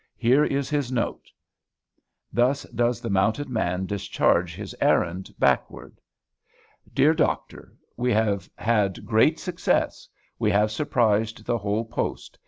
Here is his note." Thus does the mounted man discharge his errand backward. DEAR DOCTOR, We have had great success. We have surprised the whole post.